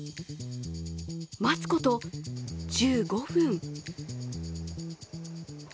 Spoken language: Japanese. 待つこと１５分。